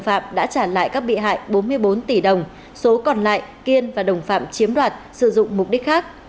phạm đã trả lại các bị hại bốn mươi bốn tỷ đồng số còn lại kiên và đồng phạm chiếm đoạt sử dụng mục đích khác